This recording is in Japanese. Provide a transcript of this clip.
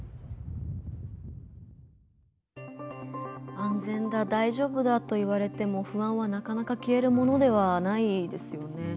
安全だ、大丈夫だと言われても不安は、なかなか消えるものではないですよね。